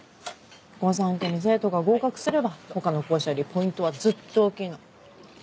御三家に生徒が合格すれば他の校舎よりポイントはずっと大きいの。